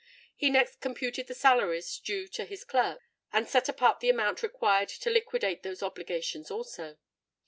He next computed the salaries due to his clerks, and set apart the amount required to liquidate those obligations also.